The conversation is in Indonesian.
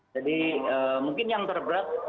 jadi mungkin yang terberat